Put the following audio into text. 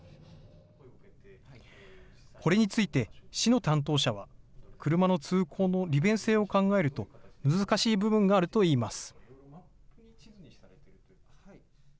これについて市の担当者は、車の通行の利便性を考えると難しい部分があるといいます。